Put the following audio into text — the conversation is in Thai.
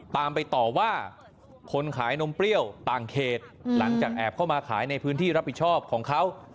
ตามไปต่อว่าคนขายนมเปรี้ยวต่างเขตหลังจากแอบเข้ามาขายในพื้นที่รับผิดชอบของเขา